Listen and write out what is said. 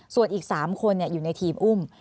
ส่วนอีก๓คนอยู่ในทีมอุ้ม